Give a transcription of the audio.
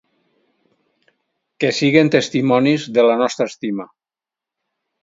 Que siguen testimonis de la nostra estima!